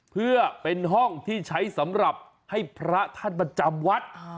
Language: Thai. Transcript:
เพื่อเป็นห้องที่ใช้สำหรับให้พระท่านมาจำวัด